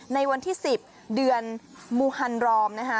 ในวันที่๑๐เดือนมูฮันรอมนะคะ